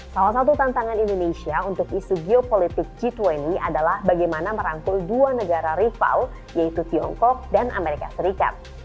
salah satu tantangan indonesia untuk isu geopolitik g dua puluh adalah bagaimana merangkul dua negara rival yaitu tiongkok dan amerika serikat